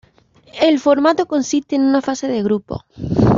El formato consiste en una fase de grupos.